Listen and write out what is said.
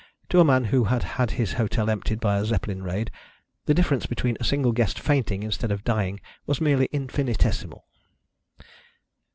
To a man who had had his hotel emptied by a Zeppelin raid the difference between a single guest fainting instead of dying was merely infinitesimal.